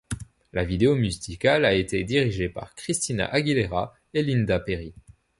La vidéo musicale a été dirigée par Christina Aguilera et Linda Perry.